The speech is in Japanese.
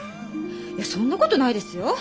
いやそんなことないですよ！